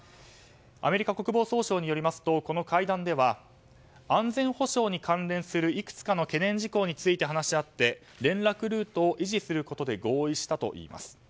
アメリカ国防総省によりますとこの会談では安全保障に関連するいくつかの懸念事項について話し合って連絡ルートを維持することで合意したといいます。